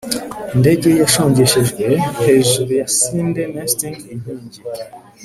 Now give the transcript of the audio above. indege ye yashongeshejwe hejuru ya cinder-nesting inkingi,